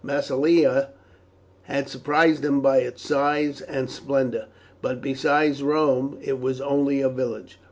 Massilia had surprised him by its size and splendour, but beside Rome it was only a village.